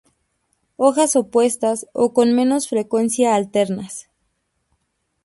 Hojas opuestas o con menos frecuencia alternas.